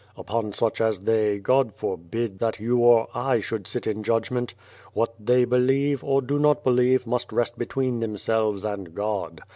" Upon such as they, God forbid that you or I should sit in judgment. What they believe, or do not believe, must rest between themselves and God.